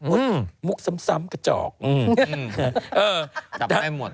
อืมมุกซัมกระจอกอืมจับไปให้หมด